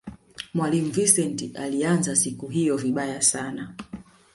mwalimu vincent aliianza siku hiyo vibaya sana